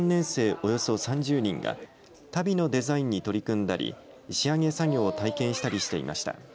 およそ３０人が足袋のデザインに取り組んだり仕上げ作業を体験したりしていました。